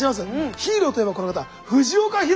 ヒーローといえばこの方藤岡弘、さん。